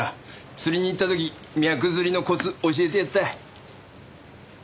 釣りに行った時ミャク釣りのコツ教えてやった。